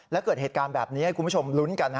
แล้วเกิดเหตุการณ์แบบนี้ให้คุณผู้ชมลุ้นกัน